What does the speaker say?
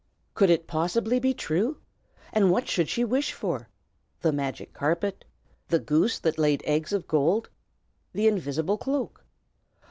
Could it possibly be true? And what should she wish for? The magic carpet? The goose that laid eggs of gold? The invisible cloak?